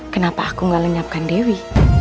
kenapa aku nggak lenyapkan dewi